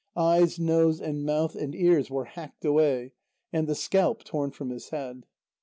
Eyes, nose and mouth and ears were hacked away, and the scalp torn from his head.